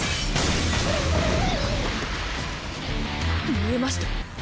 見えました？